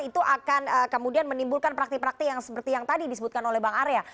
itu akan kemudian menimbulkan praktik praktik yang seperti yang tadi disebutkan oleh bang arya